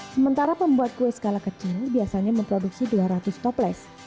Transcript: sementara pembuat kue skala kecil biasanya memproduksi dua ratus toples